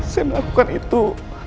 saya melakukan itu